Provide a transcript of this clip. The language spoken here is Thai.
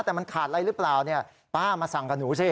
แต่มันขาดอะไรหรือเปล่าเนี่ยป้ามาสั่งกับหนูสิ